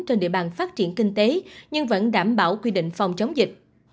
trên địa bàn phát triển kinh tế nhưng vẫn đảm bảo quy định phòng chống dịch